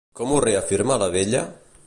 Com ho reafirma la vella?